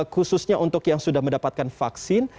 khususnya untuk yang sudah mendapatkan vaksin